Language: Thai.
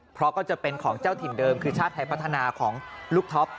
เพราะก็จะเป็นของเจ้าถิ่นเดิมคือชาติไทยพัฒนาของลูกท็อป